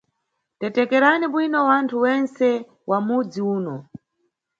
Tetekerani bwino wanthu mwentse wa mudzi uno.